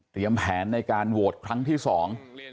แผนในการโหวตครั้งที่สอง